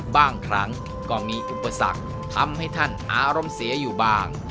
บางครั้งก็มีอุปสรรคทำให้ท่านอารมณ์เสียอยู่บ้าง